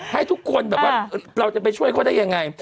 ให้ทุกคนแบบว่าเราจะไปช่วยเขาได้ยังไง